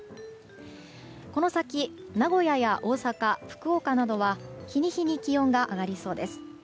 この先、名古屋や大阪福岡などは日に日に気温が上がりそうです。